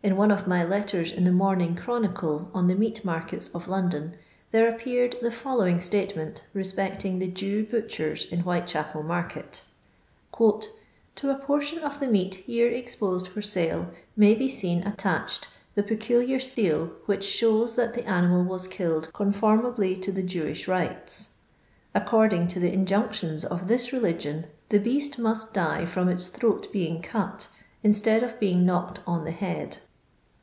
In one of my letters in the Morning ChronicU on the meat markets of London, there appeared the following statement, respecting the Jew butchers in White chapel market " To a portion of the meat here exposed for sale, may be seen attached the peculiar seal which shows that the animal was killed conformably to the Jewish rites. According to the injunctions of this religion the beast must die from its throat being cut, instead of being knocked on the head.